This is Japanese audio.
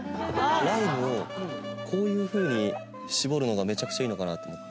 ライムをこういうふうに搾るのがめちゃくちゃいいのかなと思って。